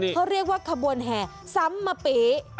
เขาเรียกว่าขบวนแห่ซ้ำมะปี